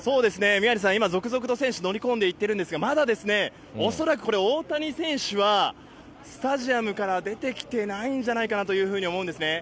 宮根さん、今、続々と選手、乗り込んでいってるんですが、まだ恐らく、大谷選手はスタジアムから出てきてないんじゃないかなというふうに思うんですね。